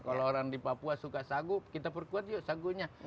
kalau orang di papua suka sagu kita perkuat yuk sagunya